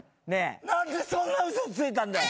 何でそんな嘘ついたんだよ。